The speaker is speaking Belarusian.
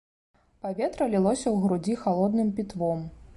Паветра лілося ў грудзі халодным пітвом.